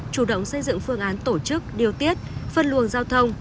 chủ động xây dựng phương án tổ chức điều tiết phân luồng giao thông